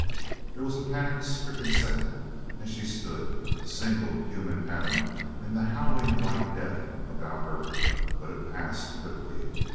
There was a panic stricken second as she stood, a single human atom in the howling white death about her but it passed quickly.